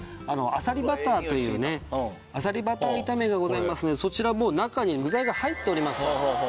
あさりバターというねあさりバター炒めがございますのでそちらもう中に具材が入っております。